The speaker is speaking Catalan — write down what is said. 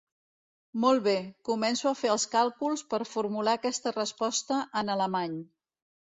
Molt bé, començo a fer els càlculs per formular aquesta resposta en alemany.